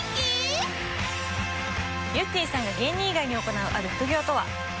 ゆってぃさんが芸人以外に行うある副業とは？